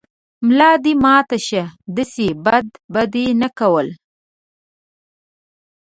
ملا دې ماته شۀ، داسې بد به دې نه کول